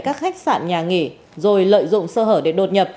các khách sạn nhà nghỉ rồi lợi dụng sơ hở để đột nhập